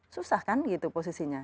susah kan gitu posisinya